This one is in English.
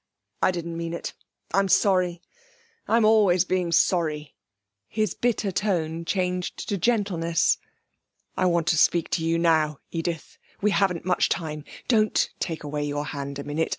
'I didn't mean it. I'm sorry I'm always being sorry.' His bitter tone changed to gentleness. 'I want to speak to you now, Edith. We haven't much time. Don't take away your hand a minute....